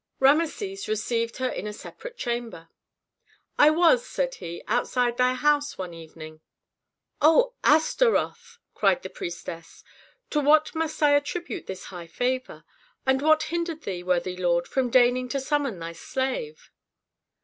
Rameses received her in a separate chamber. "I was," said he, "outside thy house one evening." "Oh, Astaroth!" cried the priestess. "To what must I attribute this high favor? And what hindered thee, worthy lord, from deigning to summon thy slave?"